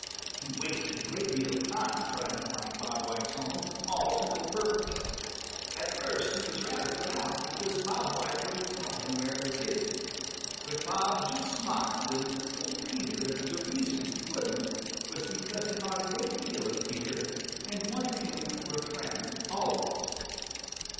He wasted a great deal of time trying to find Bob White's home, all to no purpose. At first he was rather put out because Bob White wouldn't tell him where it was hidden. But Bob just smiled and told Peter that the reason he wouldn't was because he thought a great deal of Peter and wanted him for a friend always.